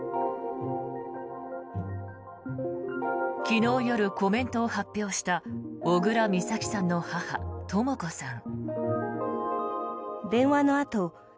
昨日夜、コメントを発表した小倉美咲さんの母・とも子さん。